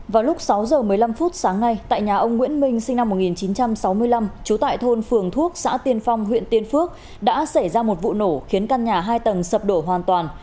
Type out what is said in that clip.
vào lúc sáu giờ một mươi năm phút sáng nay tại nhà ông nguyễn minh sinh năm một nghìn chín trăm sáu mươi năm trú tại thôn phường thuốc xã tiên phong huyện tiên phước đã xảy ra một vụ nổ khiến căn nhà hai tầng sập đổ hoàn toàn